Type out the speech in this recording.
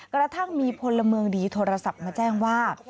กระทั่งมีพลเมืองดีโทรศัพท์มาแจ้งว่า